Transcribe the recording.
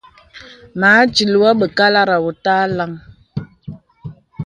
Mà atil wô be kālārá wô tà alàŋ.